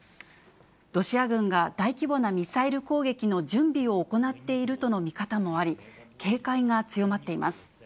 ロシア軍が大規模なミサイル攻撃の準備を行っているとの見方もあり、警戒が強まっています。